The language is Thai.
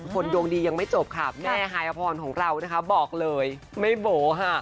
คนดวงดียังไม่จบค่ะแม่ฮายอพรของเรานะคะบอกเลยไม่โบ๋ค่ะ